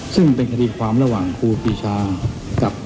ซึ่งเป็นคดีความระหว่างครูปีชากับ